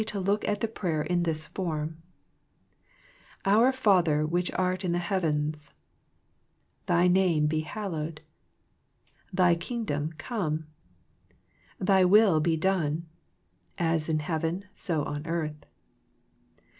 to look at the prayer in this form — Our Father which art in the heavens, Thy name be hallowed, Thy Kingdom come, Thy will be done as in heaven so on earth.